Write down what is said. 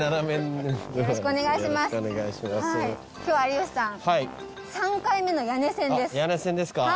今日は有吉さん３回目の谷根千です。